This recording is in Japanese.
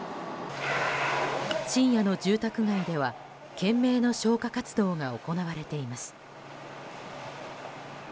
深夜の住宅街では、懸命の消火活動が行われています。